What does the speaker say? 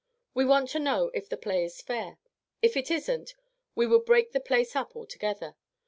We want to know if the play is fair; if it isn't, we would break the place up altogether.